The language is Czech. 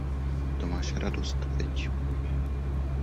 To máš radost, viď?